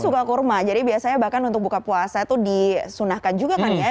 suka kurma jadi biasanya bahkan untuk buka puasa itu disunahkan juga kan ya